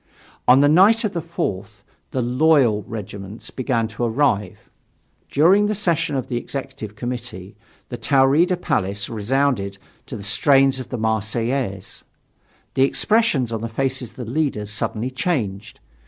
On the night of the 4th the "loyal" regiments began to arrive. During the session of the Executive Committee the Taurida Palace resounded to the strains of the Marseillaise. The expression on the faces of the leaders suddenly changed.